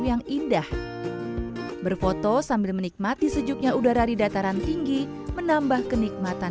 yang indah berfoto sambil menikmati sejuknya udara di dataran tinggi menambah kenikmatan